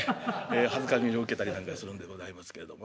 辱めを受けたりなんかするんでございますけれどもね。